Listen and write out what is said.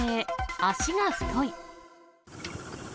足が太い。